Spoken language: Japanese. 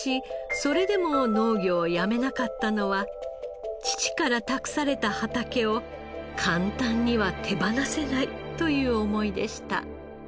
それでも農業をやめなかったのは父から託された畑を簡単には手放せないという思いでした。